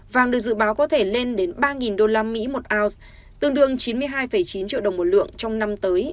vàng được dự báo có thể lên đến ba usd một ounce tương đương chín mươi hai chín triệu đồng một lượng trong năm tới